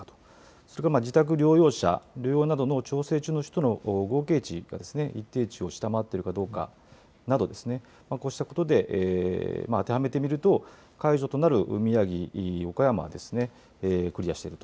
それから自宅療養者、療養の調整中の人の合計値が一定値を下回っているかどうかなど、こうしたことで、当てはめてみると、解除となる宮城、岡山はクリアしていると。